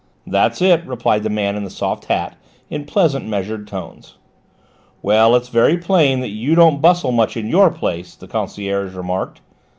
"That's it," replied the man in the soft hat in pleasant, measured tones. "Well, it's very plain that you don't bustle much in your place," the concierge remarked.